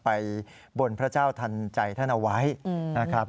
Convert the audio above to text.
ไปบนพระเจ้าทันใจท่านเอาไว้นะครับ